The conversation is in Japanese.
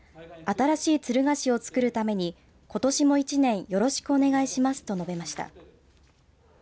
新しい敦賀市を作るためにことしも１年よろしくお願いしますと述べました。